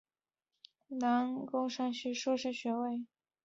他亦持有美国工商管理硕士学位。